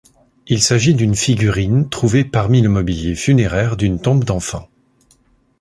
Il s'agit d'une figurine trouvée parmi le mobilier funéraire d'une tombe d'enfant.